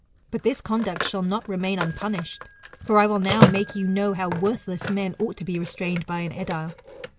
But this conduct shall not remain unpunished. For I will now make you know how worthless men ought to be restrained by an edile.